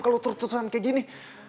kalau terusan kayak gini